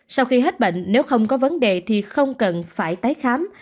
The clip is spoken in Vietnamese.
sau khi hết bệnh nếu không có vấn đề thì không cần phải tái khám